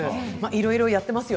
いろいろやってます。